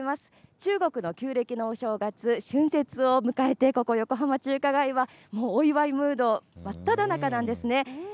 中国の旧暦のお正月、春節を迎えて、ここ横浜中華街は、もうお祝いムード真っただ中なんですね。